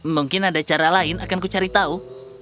mungkin ada cara lain akan kucari tahu